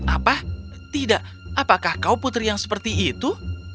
apa tidak apakah kau putri yang seperti itu